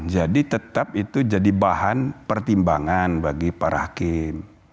jadi tetap itu jadi bahan pertimbangan bagi para hakim